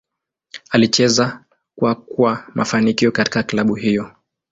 Alicheza kwa kwa mafanikio katika klabu hiyo.